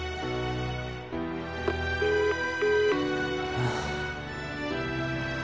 ああ。